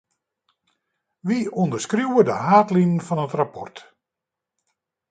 Wy ûnderskriuwe de haadlinen fan it rapport.